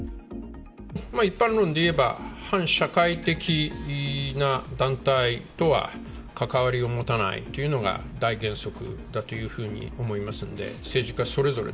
一般論でいえば、反社会的な団体とは関わりを持たないというのが大原則だというふうに思いますんで、政治家それぞれ、